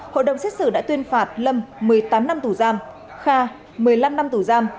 hội đồng xét xử đã tuyên phạt lâm một mươi tám năm tù giam kha một mươi năm năm tù giam